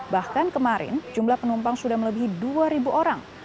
bahkan kemarin jumlah penumpang sudah melebihi dua orang